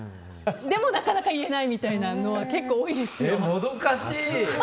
でもなかなか言えないみたいなのは結構多いですよ。